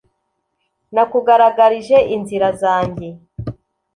nakugaragarije inzira zanjye